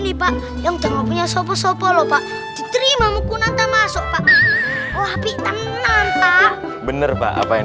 nih pak yang jangan punya sopo sopo lho pak diterima mukul nanta masuk pak oh tapi bener pak apa yang